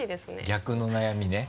逆の悩みね。